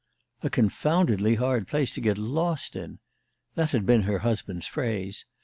A confoundedly hard place to get lost in! That had been her husband's phrase.